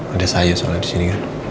ada sayur soalnya di sini kan